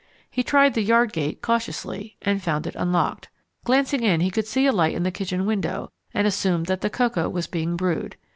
He tried the yard gate cautiously, and found it unlocked. Glancing in he could see a light in the kitchen window and assumed that the cocoa was being brewed.